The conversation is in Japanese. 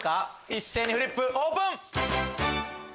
一斉にフリップオープン！